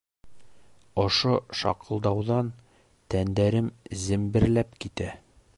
Ошо шаҡылдауҙан тәндәрем земберләп китә.